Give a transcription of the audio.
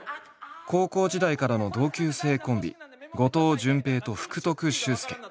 高校時代からの同級生コンビ後藤淳平と福徳秀介。